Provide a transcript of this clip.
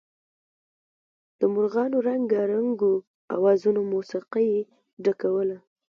د مارغانو رنګارنګو اوازونو موسيقۍ ډکوله.